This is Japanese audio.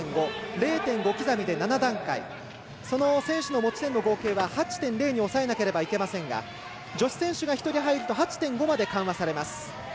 ０．５刻みで７段階選手の持ち点は８．０に抑えないといけませんが女子選手が１人入ると８．５まで緩和されます。